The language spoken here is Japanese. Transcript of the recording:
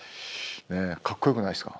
かっこよくないですか？